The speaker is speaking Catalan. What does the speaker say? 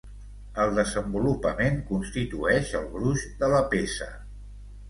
El desenvolupament constitueix el gruix de la peça.